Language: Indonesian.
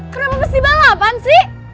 kenapa mesti balapan sih